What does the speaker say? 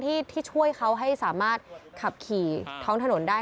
ที่ช่วยเขาให้สามารถขับขี่ท้องถนนได้